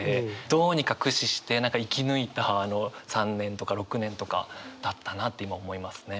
どうにか駆使して生き抜いたあの３年とか６年とかだったなって今思いますね。